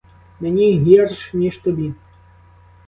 Мені гірш ніж тобі!